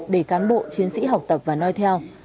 để cán bộ chiến sĩ học tập và nói theo